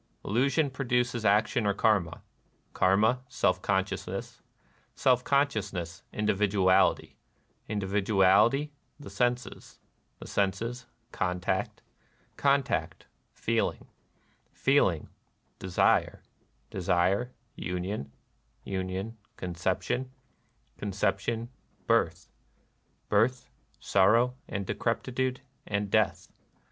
Illusion produces action or Karma ; Karma, self consciousness ; self consciousness, individuality ; individuality, the senses ; the senses, contact; contact, feeling; feeling, de sire ; desire, union ; union, conception ; con ception, birth ; birth, sorrow and decrepitude and death.